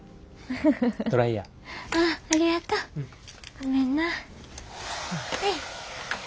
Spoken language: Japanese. ごめんな。